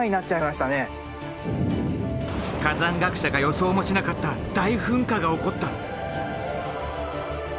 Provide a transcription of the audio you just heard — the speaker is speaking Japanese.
火山学者が予想もしなかった大噴火が起こった。